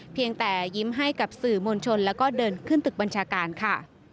เพียงแต่ยิ้มให้กับสื่อมวลชนแล้วก็เดินขึ้นตึกบัญชาการค่ะ